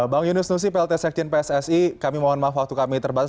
bang yunus nusi plt sekjen pssi kami mohon maaf waktu kami terbatas